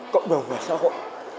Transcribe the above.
cộng đồng và xã hội